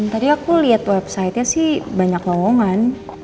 tadi aku liat websitenya sih banyak lowongan